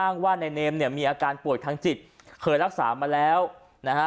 ว่านายเนมเนี่ยมีอาการป่วยทางจิตเคยรักษามาแล้วนะฮะ